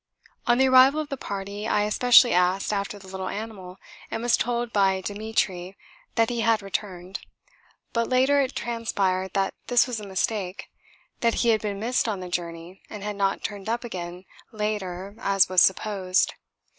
On the arrival of the party I especially asked after the little animal and was told by Demetri that he had returned, but later it transpired that this was a mistake that he had been missed on the journey and had not turned up again later as was supposed.